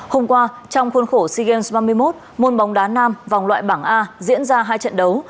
hôm qua trong khuôn khổ sea games ba mươi một môn bóng đá nam vòng loại bảng a diễn ra hai trận đấu